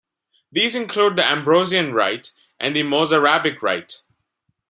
These include the Ambrosian Rite and the Mozarabic Rite.